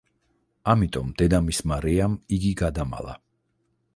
ამიტომ დედამისმა რეამ იგი გადამალა.